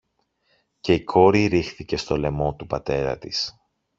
και η κόρη ρίχθηκε στο λαιμό του πατέρα της